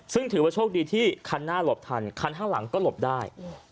ซึ่งถือว่าโชคดีที่คันหน้าหลบทันคันข้างหลังก็หลบได้